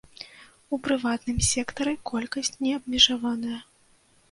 У прыватным сектары колькасць не абмежаваная.